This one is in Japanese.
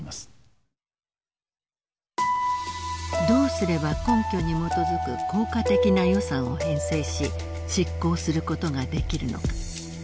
どうすれば根拠にもとづく効果的な予算を編成し執行することができるのか。